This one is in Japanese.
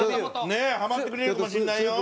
ねえハマってくれるかもしれないよ。